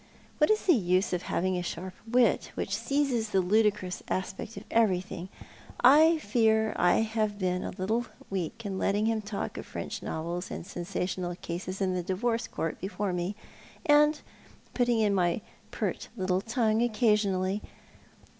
What is the use of having a sharp wit, which seizes the ludicrous aspect of everything ? I fear I have been a little weak in letting them talk of French novels and sensational cases in the divorce court before me, and putting in my pert little tongue occasionally.